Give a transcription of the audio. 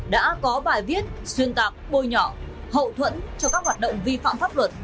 đã có bài viết xuyên tạc bôi nhỏ hậu thuẫn cho các hoạt động vi phạm pháp luật